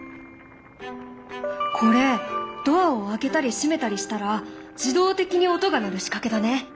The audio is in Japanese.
これドアを開けたり閉めたりしたら自動的に音が鳴る仕掛けだね。